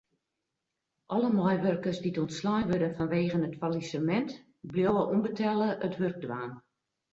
Alle meiwurkers dy't ûntslein wurde fanwegen it fallisemint bliuwe ûnbetelle it wurk dwaan.